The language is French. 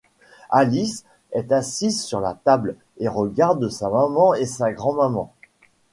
Alice est assise sur la table et regarde sa maman et sa grand’maman.